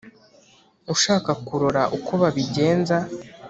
Ushaka kurora ukwo babigenza,